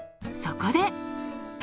そこで。